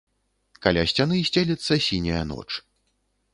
Каля сцяны сцелецца сіняя ноч.